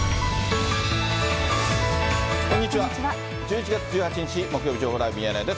１１月１８日木曜日、情報ライブミヤネ屋です。